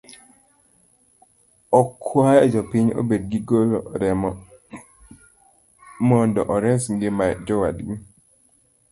Okuayo jopiny obed ka golo remo mondo ores ngima jowadgi.